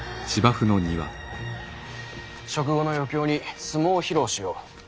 食後の余興に相撲を披露しよう。